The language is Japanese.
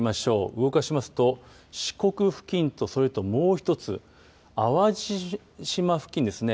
動かしますと四国付近と、それともう一つ淡路島付近ですね。